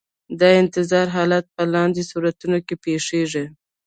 د انتظار حالت په لاندې صورتونو کې پیښیږي.